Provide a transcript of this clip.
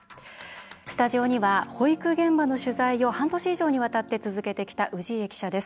スタジオには保育現場の取材を半年以上にわたって続けてきた氏家記者です。